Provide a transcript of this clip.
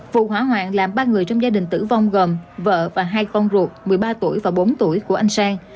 vụ hỏa hoạn làm ba người trong gia đình tử vong gồm vợ và hai con ruột một mươi ba tuổi và bốn tuổi của anh sang